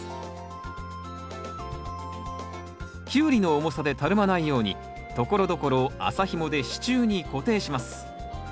キュウリの重さでたるまないようにところどころを麻ひもで支柱に固定します。